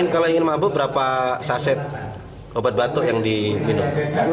kalau ingin mabuk berapa saset obat batuk yang diminum